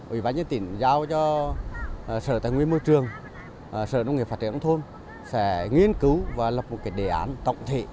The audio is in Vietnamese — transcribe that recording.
ubnd tỉnh giao cho sở tài nguyên môi trường sở nông nghiệp phát triển thông thôn sẽ nghiên cứu và lập một đề án tổng thể